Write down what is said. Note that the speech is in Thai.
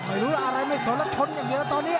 ไม่รู้อะไรไม่สวนแล้วชนอย่างเยอะตอนนี้